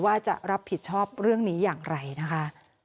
ว่าจะรับผิดชอบเรื่องนี้อย่างไรนะคะ